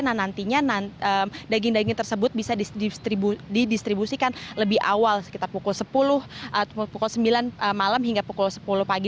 nah nantinya daging daging tersebut bisa didistribusikan lebih awal sekitar pukul sepuluh atau pukul sembilan malam hingga pukul sepuluh pagi